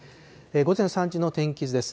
午前３時の天気図です。